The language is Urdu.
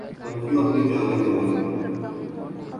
ہم کیوں اپنی جانیں گنوائیں ۔